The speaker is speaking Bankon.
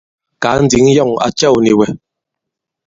Kàa ǹdǐŋ yɔ̂ŋ à cɛ̂w nì wɛ̀.